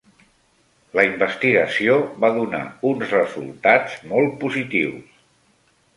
La investigació va donar uns resultats molt positius.